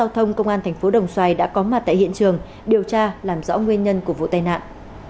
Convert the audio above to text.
thành phố đồng xoài đã có mặt tại hiện trường điều tra làm rõ nguyên nhân của vụ tai nạn